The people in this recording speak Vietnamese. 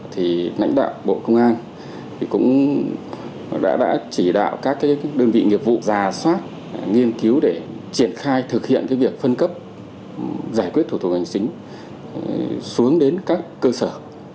thì lãnh đạo bộ công an cũng đã chỉ đạo các đơn vị nghiệp vụ ra soát nghiên cứu để triển khai thực hiện việc phân cấp giải quyết thủ tục hành chính xuống đến các cơ sở